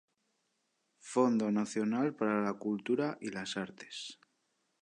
Fondo Nacional para la Cultura y la Artes.